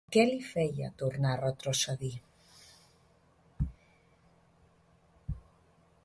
Què li feia tornar a retrocedir?